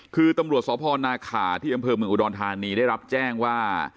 คือตำรวจสพนาขาที่อำเภอเมืองอุดรธานีได้รับแจ้งว่า